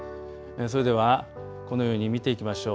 それではこのように見ていきましょう。